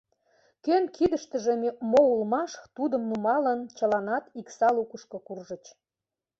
Кӧн кидыштыже мо улмаш, тудым нумалын, чыланат икса лукышко куржыч.